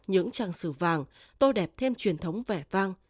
những trang sử vàng tô đẹp thêm truyền thống vẻ vang